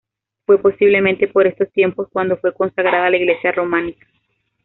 Fue posiblemente por estos tiempos cuando fue consagrada la iglesia románica.